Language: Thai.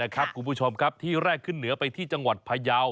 คุณผู้ชมครับที่แรกขึ้นเหนือไปที่จังหวัดพยาว